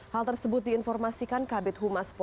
hal tersebut diinformasikan kabit humas polda sumatera